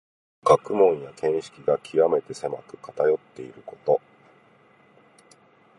学問や見識がきわめて狭く、かたよっていること。